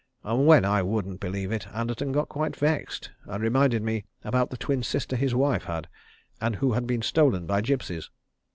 And when I wouldn't believe it, Anderton got quite vexed, and reminded me about the twin sister his wife had had, and who had been stolen by gipsies.